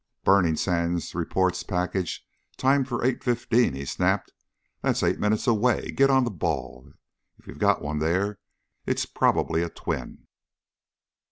"Burning Sands reports packaged timed for 0815," he snapped. "That's eight minutes away. Get on the ball. If you've got one there, it's probably a twin."